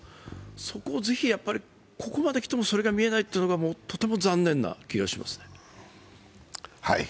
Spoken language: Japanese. そこを是非、ここまできてもそれが見えないというのがとても残念な気がしますね。